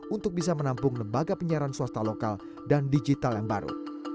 untuk bisa menampung lembaga penyiaran swasta lokal dan digital yang baru